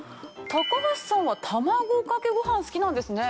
橋さんは卵かけご飯好きなんですね。